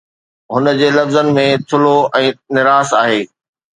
هن جي لفظن ۾ ٿلهو ۽ نراس آهي.